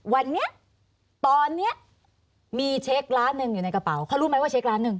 วันนี้ตอนเนี้ยมีเช็คล้านหนึ่งอยู่ในกระเป๋าเขารู้ไหมว่าเช็คล้านหนึ่ง